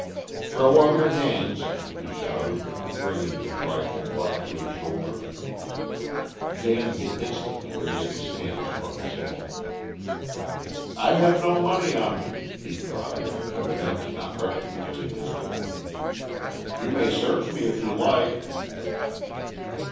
"Throw up your hands!" he shouted, bringing his rifle butt to his shoulder. Danby instantly raised his hands above his head. "I have no money on me," he cried, evidently not recognising his opponent. "You may search me if you like."